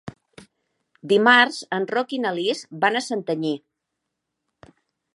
Dimarts en Roc i na Lis van a Santanyí.